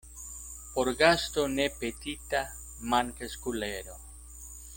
Por gasto ne petita mankas kulero.